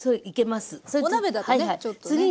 お鍋だとねちょっとね。